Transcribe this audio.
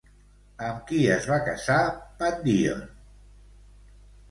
Amb qui es va casar Pandíon?